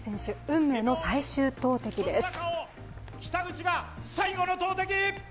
運命の最終投てきです。